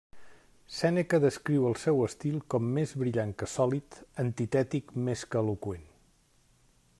Sèneca descriu el seu estil com més brillant que sòlid, antitètic més que eloqüent.